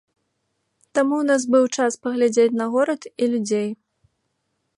Таму ў нас быў час паглядзець на горад і людзей.